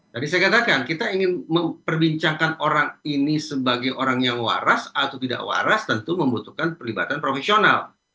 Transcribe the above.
jadi saya katakan kita ingin memperbincangkan orang ini sebagai orang yang waras atau tidak waras tentu membutuhkan perlibatan profesional